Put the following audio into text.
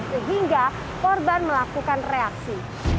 sehingga korban melakukan reaksi